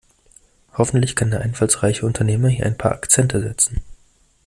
Hoffentlich kann der einfallsreiche Unternehmer hier ein paar Akzente setzen.